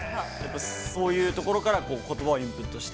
そういうところからインプットして。